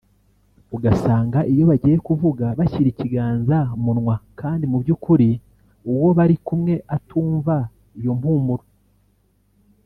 ugasanga iyo bagiye kuvuga bashyira ikiganza munwa kandi mu byukuri uwo bari kumwe atumva iyo mpumuro